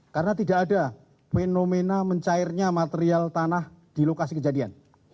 karena tidak ada fenomena mencairnya material tanah di lokasi kejadian